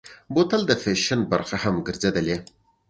بوتل د فیشن برخه هم ګرځېدلې.